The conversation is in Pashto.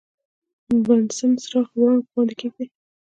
د بنسن چراغ وړانګو باندې یې کیږدئ.